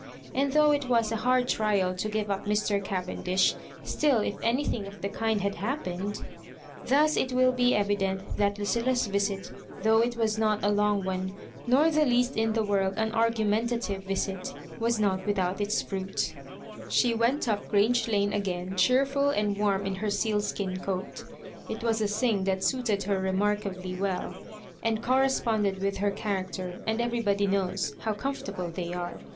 And though it was a hard trial to give up Mr. Cavendish, still if anything of the kind had happened Thus it will be evi dent that Lucilla's visits though it was not a long one, nor the least in the world an argumentative visit, was not without its fruit She went up Grange Lane again cheerful and warm in her sealskin coat It was a thmg that suited her remarkably well, and corresponded with her character, and everybody knows how comfortable they are.